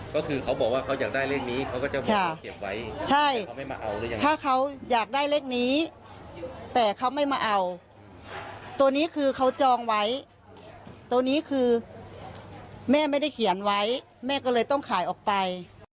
ก็คือเขาบอกว่าเขาอยากได้เลขนี้เขาก็จะมาเก็บไว้ใช่เขาไม่มาเอาหรือยังถ้าเขาอยากได้เลขนี้แต่เขาไม่มาเอาตัวนี้คือเขาจองไว้ตัวนี้คือแม่ไม่ได้เขียนไว้แม่ก็เลยต้องขายออกไป